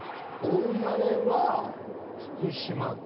お生まれは福島県。